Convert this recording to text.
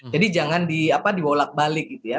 jadi jangan di diolak balik gitu ya